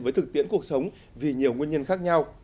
với thực tiễn cuộc sống vì nhiều nguyên nhân khác nhau